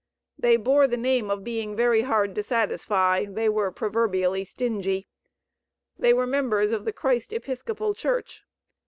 They bore the name of being very hard to satisfy. They were proverbially "stingy." They were members of the Christ Episcopal Church.